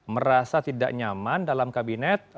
merasa tidak nyaman dalam kabinet